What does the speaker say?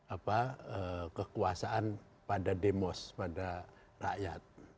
apa kekuasaan pada demos pada rakyat